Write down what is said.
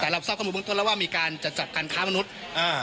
แต่เราทราบคำบุกต้นแล้วว่ามีการจัดการค้ามนุษย์อ่า